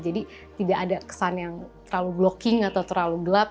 jadi tidak ada kesan yang terlalu blocking atau terlalu gelap